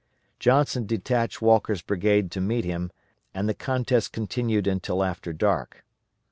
Johnson detached Walker's brigade to meet him, and the contest continued until after dark.